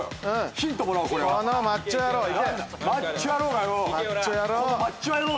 ヒントもらおう。